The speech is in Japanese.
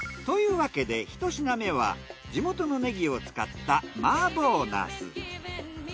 というわけで１品目は地元のネギを使ったマーボーナス。